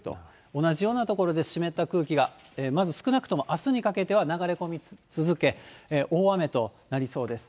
同じような所で湿った空気が、まず少なくとも、あすにかけては流れ込み続け、大雨となりそうです。